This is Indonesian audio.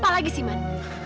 apalagi sih man